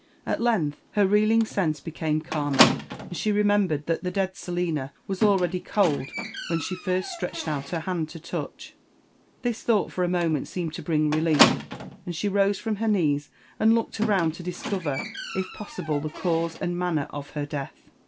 At lengtti her reeling sense became^ calmer, and she remembered MB hlFB AND ADVENTURES OF that the detd Selina was already cold when she first stretdied out her hand to touch her. This thought for a moment seemed to bring lief, and she rose from her knees and looked around to discover possible the cause and manner of her death.